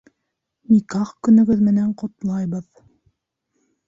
Никах көнөгөҙ менән ҡотлайбыҙ!